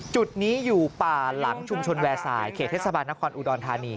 จุดนี้อยู่ป่าหลังชุมชนแวร์สายเขตเทศบาลนครอุดรธานี